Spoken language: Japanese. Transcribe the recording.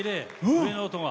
上の音が。